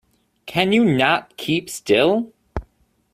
Can you not keep still?